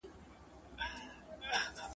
شپې چي مي په صبر سپینولې اوس یې نه لرم ..